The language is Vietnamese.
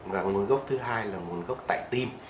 và nguồn gốc thứ hai là nguồn gốc tại tim